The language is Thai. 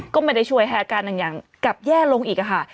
ก็ไม่ได้ช่วยให้อาการต่างกลับแย่ลงอีกค่ะ